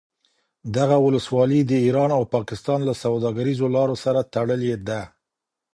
دغه ولسوالي د ایران او پاکستان له سوداګریزو لارو سره تړلې ده